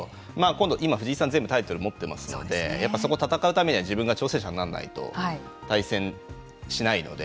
今度、今、藤井さん全部タイトルを持っていますのでやっぱり、そこを戦うためには自分が挑戦者にならないと対戦しないので。